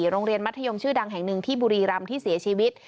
โรงเรียนมัธยมชื่อดังแห่งหนึ่งที่บุรีรำที่เสียชีวิต